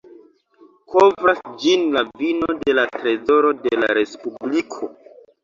Kovras ĝin la vino de la trezoro de la respubliko.